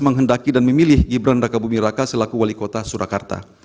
menghendaki dan memilih gibran raka bumi raka selaku wali kota surakarta